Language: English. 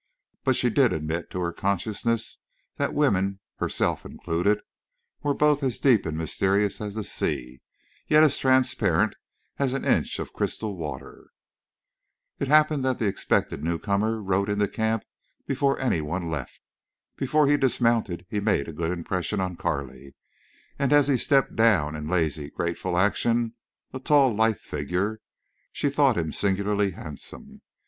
But she did admit to her consciousness that women, herself included, were both as deep and mysterious as the sea, yet as transparent as an inch of crystal water. It happened that the expected newcomer rode into camp before anyone left. Before he dismounted he made a good impression on Carley, and as he stepped down in lazy, graceful action, a tall lithe figure, she thought him singularly handsome.